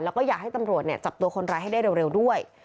แล้วก็อยากให้ตำรวจจับตัวคนร้ายให้ได้เร็วด้วย